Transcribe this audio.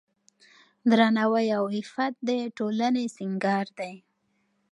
درناوی او عفت د ټولنې سینګار دی.